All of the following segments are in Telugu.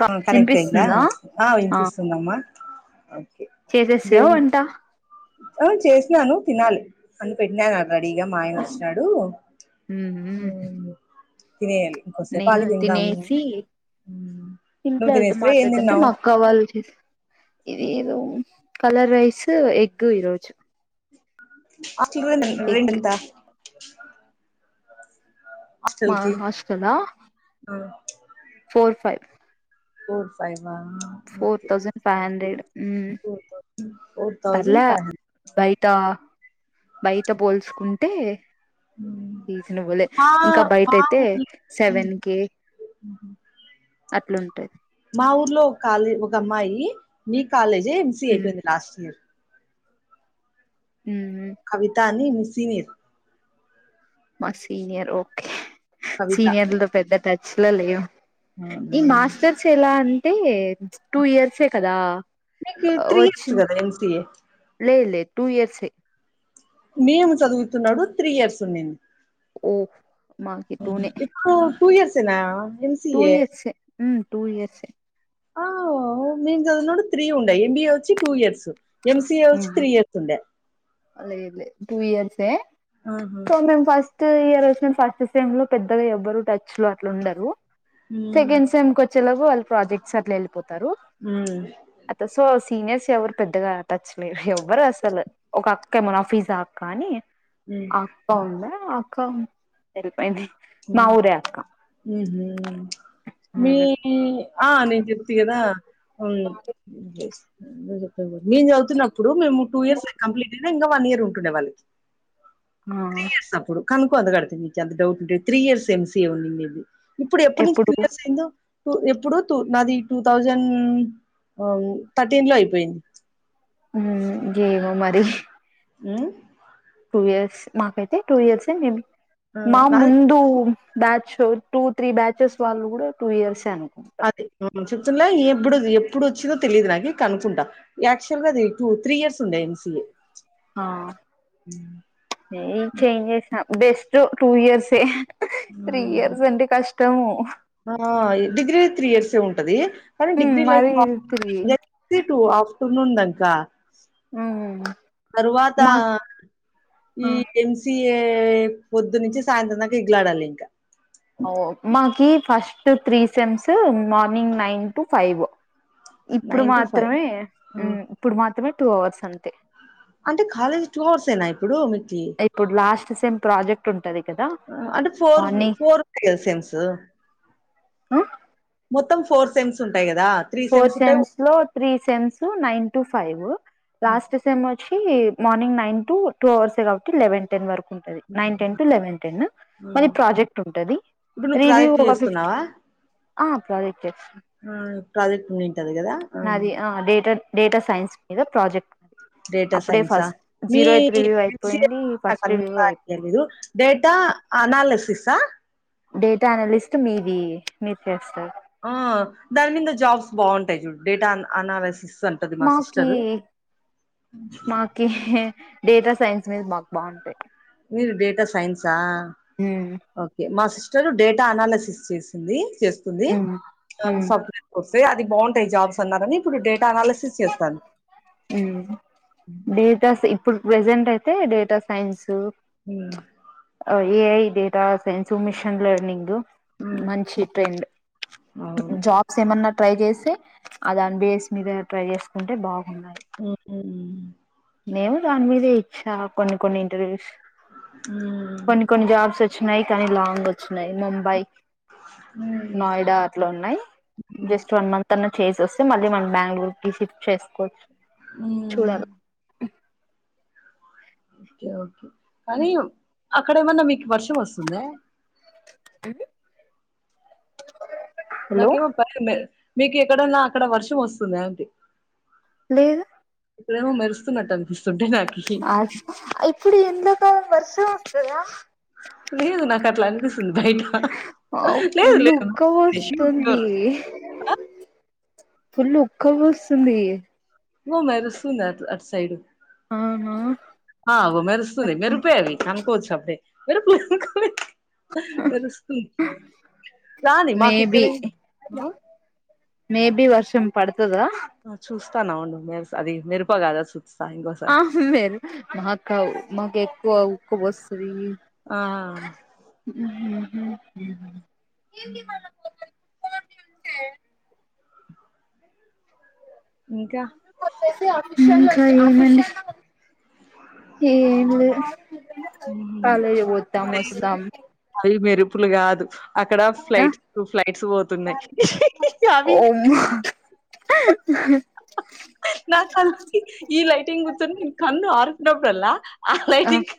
క కనెక్ట్ అయిందా వినిపిస్తుందా వినిపిస్తుందమ్మా అ చేసేస్ ర్రా వంట ఆ చేసినాను తినాలి అన్నీ పెట్టినాను అ రెడీగా మా అయిన వస్తున్నాడు హ్మ్ హు తినేయాలి ఇంకోసేపు నేను ఆగి తిందాము తినేసి నువ్వు ఇంట్లోల్తో తినేస్తివా ఏం మాట్లాడుతుంటే తిన్నావు మా అక్క వాళ్ళు చూసి ఈ రో కలర్ రైస్ ఎగ్ ఈ రోజు అసలు నీకు ఎగ్ రిండిందా హాస్టల్ మా కి హాస్టలా four five four five four okay thousand five hundred మ్మ్ four thousand four thousand five hundred ఇంత బయట పోల్చుకుంటే తీస నువలే మా ఇంకా బయట మా అయితే సెవెన్ కె ఆ అట్లుంటది మా ఊర్లో ఒక కాలే ఒక అమ్మాయి నీ కాలేజ్ జేఎంస మ్మ్ ఐయింది లాస్ట్ ఇయర్ మ్మ్ కవిత అని సీనియర్ మా సీనియర్ ఓకే కవిత సినియర్లుతో పెద్ద త చిల్లయో అవునా, ఈ మాస్టర్స్ ఎలా అంటే టూ ఇయర్సే కదా మీకు త్రీ వచ్చి ఇయర్స్ కదా ఎంసీఏ లేదు లేదు టూ ఇయర్స్ ఏ మేము చదువుతున్నాడు త్రీ ఇయర్స్ ఉన్నాను ఓహ మాకు టూ నే టు ఇయర్స్ ఏనా టూ ఎంసీఏ ఇయర్సే ఉ టు ఇయర్స్ ఏ ఆ మేము చదివినపుడు త్రీ ఉండే ఇండియా వచ్చి టూ ఇయర్స్ ఎంసీఏ వచ్చి త్రీ ఇయర్స్ ఉండే అలా ఏం లేదు టూ ఇయర్సే ఆహా సో మేమ్ ఫస్ట్ ఇయర్ వచ్చిన ఫస్ట్ సేమ్ లో పెద్దగా ఎవ్వరు టచ్ లో అట్లు ఉండరు ఉమ్, సకెండ్ సమ్ కోచ్ చలవు వాళ్ళ ప్రాజెక్ట్ అట్లు పోతారు ఉమ్, అత సోర్స్ సీనియర్స్ ఎవరు పెద్దగా టచ్ లేరు ఎవ్వరు అసలు ఒక అక్క ఏ మునాఫీజా అక్క అని ఉమ్, ఆ అక్క ఉందే అక్క ది ఉమ్, మాఊరే అక్క ఉమ్. మీ ఆ నేను చెప్త కదా ఉమ్ చె మేము చదువుతున్నప్పుడు మేము టూ ఇయర్స్ కంప్లీట్ అయినా ఇంకా వన్ ఇయర్ ఉంటుండ వాళ్ళకి ఆ కనుక్కో నీకు అంత డౌట్ ఉంటే త్రీ ఇయర్స్ ఎంసీఏ ఉన్ని మీదు ఇప్పుడు ఎప్పటి నుంచి ఎప్పుడు టూ ఇయర్స్ అయిందో టూ ఎప్పుడు నాది టూ థౌజండ్ థర్టీన్ లో అయిపోయింది ఉమ్ గేమో మరి ఉమ్ టూ ఇయర్స్ మాకైతే టూ ఇయర్సే మేమ్ ఆ మా నాది ముందు బ్యాచ్ టూ త్రీ బ్యాచెస్ వాళ్ళు కూడా టూ ఇయర్సే అను అదే జుత్తుల ఇ ఇప్పుడు ఎప్పుడు వచ్చిందో తెలియదు నాకు కనుక్కుంటా యాక్చువల్ గా అది టూ త్రీ ఇయర్స్ ఉండే ఎన్సిఏ ఆ న చేంజ్ చేసిన బెస్ట్ టూ ఇయర్సే త్రీ ఇయర్స్ అంటే కష్టం త ఆ డిగ్రీ త్రీ ఇయర్స్ హె ఉంటది కానీ ఉమ్ డిగ్రీ లే మరి ఇది త్రీ టు ఆఫ్టర్నూన్ లంచ్ ఆ తరువాత మా ఈ ఎంసి పొద్దు నుంచి సాయంత్రక ఇగులాడాలి ఇంకా ఓ మకి first three sems morning nine to five ఇప్పుడు నైన్ టు ఫైవ్ మాత్రమే మ్ ఇప్పుడు మాత్రమే టూ అవర్స్ అంతే అంటే కాలేజీ టూ అవర్స్ ఎన ఇప్పుడు మీ ఇప్పుడు లాస్ట్ సేమ్ ప్రాజెక్ట్ ఉం అంటే ఫోర్ ఫోర్ ఫ క సెమ్స్ ఆ మొత్త ఫోర్ సమ్స్ ఉంటాయి కదా త్రీ ఫోర్ ఉంటాయి సెమ్స్ లో three sems nine to five last sem వచ్చి మార్నింగ్ నైన్ టు టూ అవర్సస్ కాబట్టి లెవెన్ టెన్ వరకు ఉంటది nine ten to eleven ten, మరి ప్రాజెక్ట్ ఉంటుది, ఇప్పుడు నువ్వు రివ్యూ ప్రాజెక్ట్ ఒక ఫిఫ్త్ చేస్తున్నావా అ ప్రాజెక్ట్ చేస్ ప్రాజెక్ట్ కదా నాది ఆ డేట డేటా సైన్స్ మీద ప్రాజెక్ట్ డేటా అప్పుడే సైన్సా ఫస్ట్ జీరో ఎయిత్ రివ్యూ మీసి అయిపోయింది నా ఫస్ట్ రివ్యూ అయిపోయింది [unintelligible] డేటా అనాలస్ తీసా డేటా అనాలస్ట్ మీది మీరు చేస్తారు ఆ దాని మీద జాబ్స్ బాగుంటాయి చూడు డేటా అనాలసిస్ మాకి మాకి డేటా సైన్స్ మీద మాకు బాగుంటాయి మీరు డేటా సైన్సా ఉమ్ ఓకే మాసిస్ చాలు డేటా అనాలిసిస్ చేసింది చేస్తుంది ఉమ్ ఉమ్ సాఫ్ట్వేర్ కో అది బాగుంటాయి జాబ్స్ అన్నారని ఇప్పుడు డేటా అనాలిసిస్ చేస్తారూ దస్ ఇప్పుడు ప్రెజెంట్ అయి డేట్ సైన్సు ఉమ్, అ ఏ డేటా సైన్స్ మిషన్ లర్నింగ్ ఉమ్, మంచి ట్రెండ్ అవును జాబ్స్ ఏమన్న ట్రై చేసి ఆ దాని బేస్ మీద ట్రై చేసుకుంటే బాగు హహ నేము దాని మీదే ఇచ్చా కొన్ని కొన్ని ఇంటర్వ్యూస్ ఆమ్ కొన్ని కొన్ని జాబ్స్ వచ్చినాయి కానీ లాంగ్ వచ్చినాయి ముంబై ఉమ్, నాయిడా అట్లా ఉన్నాయి జస్ట్ వన్ మంత్ అన్న చేసి వస్తే మళ్ళీ మనం బెంగళూరు కి షిఫ్ట్ చేసుకోవచ్చు హ్మ్ చూడాలి ఓకే ఓకే అనీ అక్కడ ఏమన్నా మీకు వర్షం వస్తుందా ఏ [unintelligible] నాకేమొ [unintelligible] మీకు ఎక్కడన్నా అక్కడ వర్షం వస్తుందా అంటి లేదు ఇప్పుడేమో మెరుస్తున్నట్టు అనిపిస్తుంటే నా అ [unintelligible] ఇప్పుడు ఎండా కాలం వర్షం వస్తదా లేదు నాకట్ల అనిపిస్తుం ఆ ఫుల్లు ష్యూర్ ఉక్కపోస్తోంది ష్యూర్ ఫుల్ ఉక్క బోస్తుంది మొ మెరుస్తుంది అట్ల అటు సైడు అవునా ఆ మెరుస్తుంది మెరిపే అవి కనుకోవచ్చు అప్పుడే మెరుపులు [unintelligible] రానీ మాకిక్కడ మేబి మేబి వర్షం పడుతదా చూస్తానం ఉండు మెరు అది మెరుప గాదా చూ ఆ మెరు మాకు కావు మాకు ఎక్కువ కుబశ్రీ ఆ పో ఇంచే ఇంకా మా కొ ఆఫీస్ మకా మ ఏం లే ఉమ్, కాలే వద్దం వస్తతం చెప్పులు కాదు అక్కడ ఫ్లైట్స్ ఫ్లైట్స్ పోతున్నాయి అవి ఓ నా కల్ ఈ లైటింగ్ గుతుంద నిం కంద ఆర్ఫినబ్రల్ ఆ ఆలైటింగ్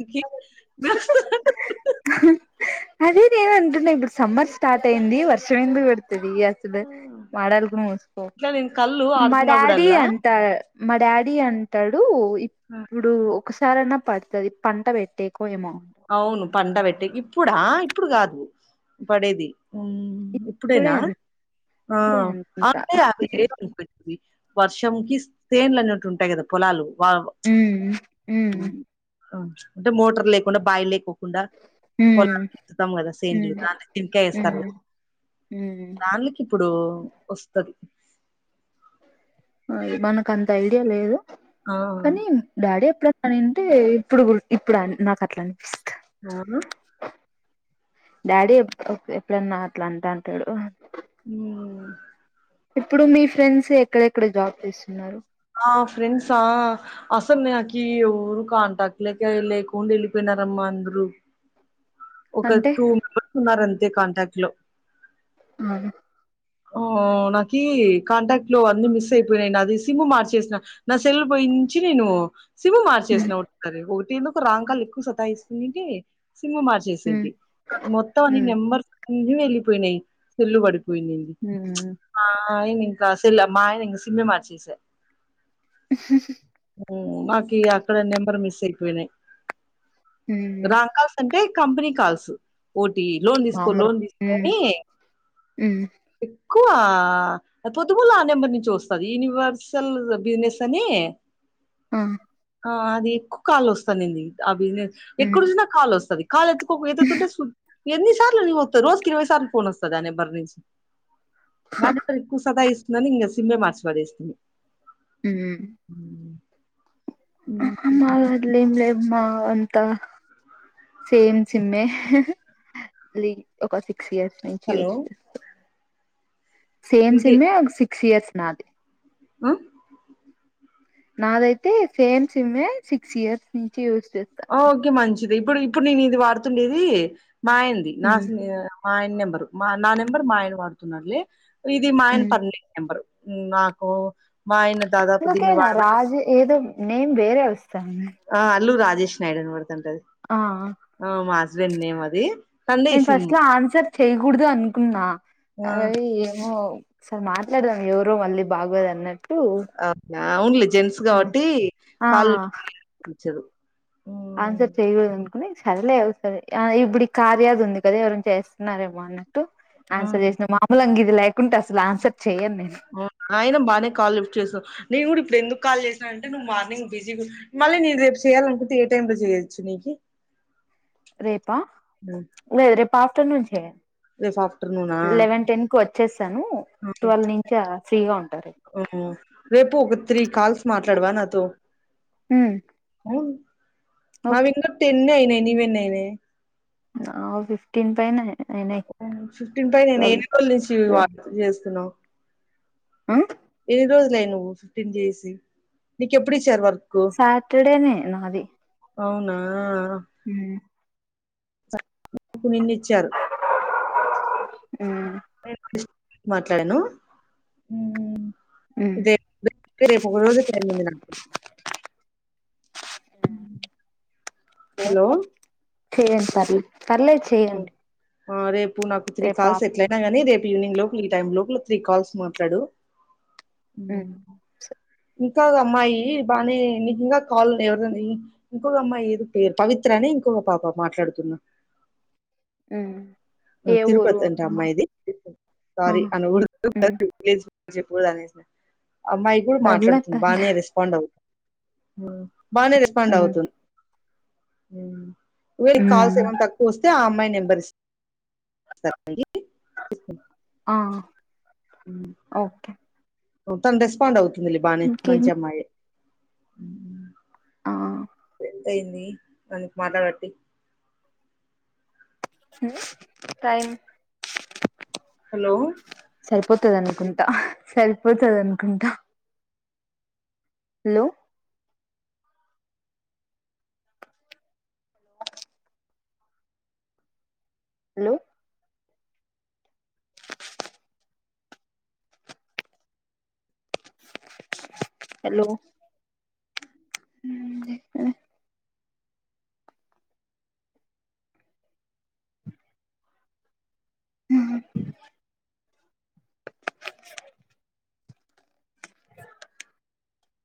అదే నేను అంటున్నా ఇప్పుడు సమ్మర్ స్టార్ట్ అయింది వర్షం [unintelligible] ఆ. మాడాలకు మోసుకో ఇట్లా నేను కళ్ళు మా డాడీ ఆర్పినప్పుడల్లా అంత మా డాడీ అంటాడు ఇప్పుడు ఒక సరనా పడుతుంది పంట పెట్టేకో ఏమో అవును పంట పెట్టికి ఇప్పుడా ఇప్పుడు కాదు పడేది ఇప్పుడే ఇప్పుడేనా అను ఆ ఇప్పుడే అనుకుంటా అంటే ఆమె లేదు అనిపించింది వర్షంకి చేన్ల అన్నట్టు ఉంటాయి కదా పొలాలు వాళ ఉమ్ ఉమ్ అంటే మోటర్లె [unintelligible] కుండా ఉమ్ పొలాలకి వేస్తాం కదా సేండ్లు ఉమ్ దాని తింటే వేస్తారు గా ఉమ్ ఉమ్ దానికి ఇప్పుడు వస్తది అది మనకు అంత ఐడియా లేదు ఆ కనీ డాడీ అట్లా. తనింతే ఇప్పుడు గూడా, ఇప్పుడు ఆయ్ నాకు అట్లా అనిపిస్తది. రానా. డాడీ ఎప్‌అప్పెప్పుడన్నా, అట్లా అంటాంటడు. ఊమ్మ్. ఇప్పుడు మీ ఫ్రెండ్స్, ఎక్కడెక్కడ జాబ్ చేస్తున్నారు. మా ఫ్రెండ్స్ అ? అసలు నాకీ ఎవ్వరూ, కాంటాక్లేక లేకుండా ఎల్లిపోయినారమ్మా అందరూ. ఒక అంటే టూ [unintelligible] మెంబర్స్ ఉన్నార, అంతే కాంటాక్ట్. ట్లూ. ఊహూ ఓ నాకీ. కాంటాక్ట్ లో అన్ని మిస్ అయిపోయినయ్, నాది సిమ్ మార్చేసిన నా సెల్ పోయించి ను. సిమ్ ఉమ్ మార్చేసినా, ఒ [unintelligible] ఒటిలు. రాంగ్ కాల్ ఎక్కువ, సతాయిస్తుందింటే? సిమ్ ఉమ్ మార్చేసుంటే, మొత్తం అని నెంబర్స్. ఈయూ వెళ్ళలిపోయినాయి, సల్లు పడిపోయినయిడి. హ్మ్మూ. గా సెల్లె, మా ఆయన ఇంగ సిమ్మే మార్చేస. హాహా! నాకు ఈ అక్కడ, నెంబర్ మిస్ అయిపోయినాయి. ఉమ్ ఉమ్ రకాస్ అంటే? Company calls. ఒటీ లోన్ దెస్కో?, మామూలు లోన్ దెస్కో ఉమ్ అని. ఉమ్ ఎక్కువ పొద్దుగుల ఆ నెంబర్ నుంచి వస్తది, యూనివర్సల్ బిజినెస్ అని. ఆ ఆ అత్. దే ఎక్కువ కాల్స్ వొస్తున్నది, ఆ బిజినెస్. ఎక్కడ ఉమ్ జూసినా? కాల్ వొస్తది. కాల్ ఎత్తుకోక ఎత్తుతుంటే సూ. ఎన్ని సార్లు అని ఒత్తాను? రోజుకి ఇరవై సార్లు వొస్తది, ఆ ఫోన్ నెంబర్ నుంచి. గాంధీ [unintelligible] పల్లి, కుసో గైస్. నన్నింగ, సిమే మార్చిపడేసినం. [inaudible] హ్మ్మ్! ఆహా, మాది ఏం లేవ్! మా అంతా సేమ్ సిమే హాహా! లే, ఒక సిపే. సిస్ నుంచి హలో వచ్చి చేస్తా. సేమ్ ఇంకే సిమ్మే ఒక సి సియస్ నాది అ నాదైతే సేమ్ సిమ్మే సిక్స్ ఇయర్స్ నుంచి యూజ్ ఓకే మంచి ఇప్పుడు ఇప్పుడు నేను ఇది వాడుతుండేది మాయంది ఉమ్ నాకు మా ఆయన నెంబరు మా నా నెంబర్ మా ఆయన వాడుతున్నారులే ఇది మా ఆయన ఉమ్ పర్మినెంట్ నెంబరు నాకు మా ఆయన దాదాపు దీన్ని అందుకేనా వాడబట్టి రాజు ఏదో నేమ్ వేరేవొ ఆ అల్లు రా అజష్ నాడు కూడా టది ఆ ఓ మా న్ ఏ మది నేను ఫస్ట్ లో ఆన్సర్ చెయకూడదు అనుకున్నా ఆ అవి ఏమో సారే మాట్లాడదాం ఎవరో మళ్ళీ బాగోదు అన్నట్టు అవునా అవున్లీ జెంట్స్ కాబట్టి ఆ కాలేజీదు ఆన్సర్ చేయూగుడదు అనుకుని సరలే ఏమవుతాది ఆ ఇప్పుడు కార్యాది ఉంది కదా ఎవరన్న చేస్తున్నారేమో అని ఆన్సర్ చేసిన మామూలు అంగి ఇలేకుంటే అసలు ఆన్సర్ చెయ్యను నేను అవునా ఆయిన బాగనే కాల్ లిఫ్ట్ చేసారు నీ కూడా ఇప్పుడు ఎందుకు కాల్ చేసానంటే నువ్వు మార్నింగ్ బిజీ మళ్ళీ నేను రేపు చేయాలనుకుంటే ఏ టైమ్ లో చేయొచ్చు నీకి లేద్ రేప్ ఆఫ్టర్ నూన్ చేయం రేపు ఆఫ్టర్నూనా లెవెన్ టెన్ కు వచ్చేసాను ట్వెల్వ్ నుంచ ఆ ఫ్రీగా ఉంటారు. రేపు ఒక త్రీ కాల్స్ మాట్లాడవా నాతో హ్మ్ ఔ మావింగ టెన్నే అయినయ్ నీవెన్ని అయినయ్ ఆ ఫిఫ్టీన్ పైన్నే ఆ ఫిఫ్టీన్ పైనే ఎన్ని రోజుల నుంచి వాన్ తొ చేస్తున్నావ్ ఆ ఎన్ని రోజులాయ నువ్వు దీన్ని జేసి నీకేప్పుడు ఇచ్చారు వర్క్ సాటర్డేనే నాది అవునా మ్మ్ నిన్నచ్చారు మ్మ్ మాట్లాడాను మ్మ్ ఇదేర పోదు కందికు మ్మ్ హలో చేయండి పర్లేదు పర్లేదు చెయ్యండి ఆ రేపు నువు నాకు త్రీ కాల్స్ ఎట్లయినా గానీ రేపూ ఈవినింగ్ లోపల ఈ టైమ్ లోపల త్రీ కాల్స్ మాట్లాడు హ్మ మ్మ్ ఇంకాక అమ్మాయి బాగానే నకు ఇంకా కాల్ ఎవరనా ఇంకొక అమ్మాయి పేరు పవిత్ర అనే ఇంకొక పాప మాట్లాడుతున్నా మ్మ్ ఏ ఊరు తిరుపతి అంట అమ్మాయి అమ్మాయిది ఆ సారీ అన్న ఫ్లో మ్మ్ లో అన్నేస్య అమ్మాయి కూడా పర్లే మాట్లాడుతుంది పర్లే బాగానే రెస్పాండ్ అవుతుంది ఆ బాగానే రెస్పాండ్ మ్మ్ అవుతుంది మ్మ్ వీడికి కాల్స్ మ్మ్ ఏమన్నా తక్కువ వస్తే ఆ అమ్మాయిని నెబర్స్ [inaudible] ఆ ఓకే తమ్ రెస్పోండ్ అవుతు లీ బానే మంచి ఇంకేమి అమ్మాయే మ్మ్ ఆ అయింది మనకి మాట్లాడబట్టి టైమ్ హలో పోతది అనుకుంటా సరిపోతది అనుకుంటా లో లో అలో మ్మ్ జెప్పే [unintelligible]